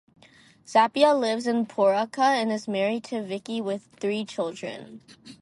Zappia lives in Pooraka and is married to Vicki with three children.